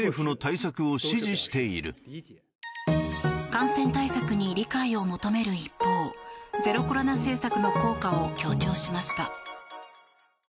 感染対策に理解を求める一方ゼロコロナ政策の効果を強調しました。